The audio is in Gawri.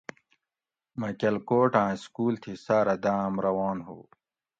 مہ کلکوٹ آۤں سکول تھی ساۤرہ داۤم روان ہو